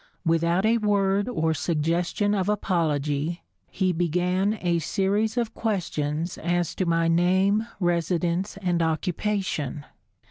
Without a word or suggestion of apology, he began a series of questions as to my name, residence and occupation.